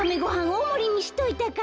おおもりにしといたから」。